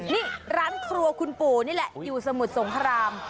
นี่ร้านครัวคุณปู่นี่แหละอยู่สมุทรสงคราม